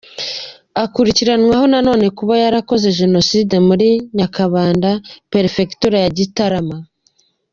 Akurikiranweho na none kuba yarakoze Jenoside muri Nyakabanda, perefegitura ya Gitarama.